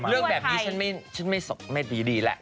เรื่องแบบนี้ฉันไม่ดีแหละ